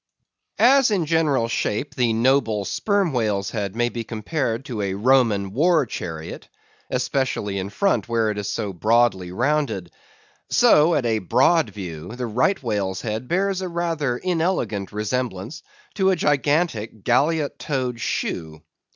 As in general shape the noble Sperm Whale's head may be compared to a Roman war chariot (especially in front, where it is so broadly rounded); so, at a broad view, the Right Whale's head bears a rather inelegant resemblance to a gigantic galliot toed shoe.